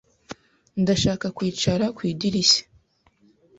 Ndashaka kwicara ku idirishya.